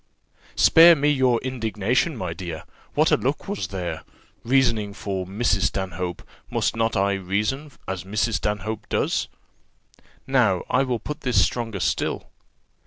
"Spare me your indignation, my dear! What a look was there! Reasoning for Mrs. Stanhope, must not I reason as Mrs. Stanhope does? Now I will put this stronger still.